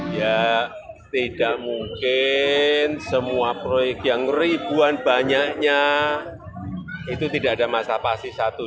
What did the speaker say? ya tidak mungkin semua proyek yang ribuan banyaknya itu tidak ada masalah pasti satu